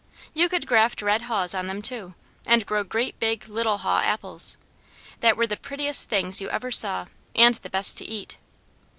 You could graft red haws on them too, and grow great big, little haw apples, that were the prettiest things you ever saw, and the best to eat.